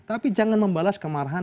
tapi jangan membalas kemarahan